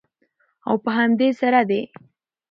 او په همدې سره د